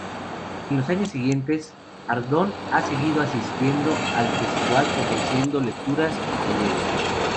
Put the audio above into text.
En los años siguientes, Ardón ha seguido asistiendo al festival, ofreciendo lecturas y talleres.